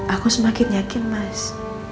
aku semakin yakin mas